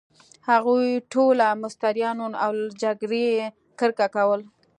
هغوی ټوله مستریان ول، او له جګړې يې کرکه کول.